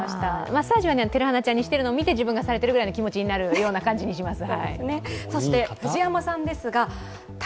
マッサージは、てるはなちゃんにしているのを見て、自分もされているような気持ちになるような感じにします。